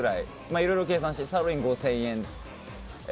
いろいろ計算してサーロインが５０００円。